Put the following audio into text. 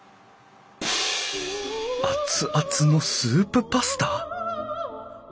熱々のスープパスタ！？